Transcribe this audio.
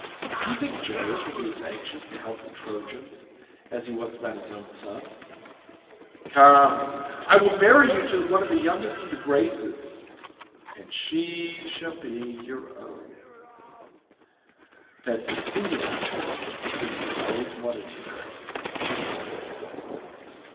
Do you think Jove will be as anxious to help the Trojans, as he was about his own son? Come, I will marry you to one of the youngest of the Graces, and she shall be your own—Pasithea, whom you have always wanted to marry."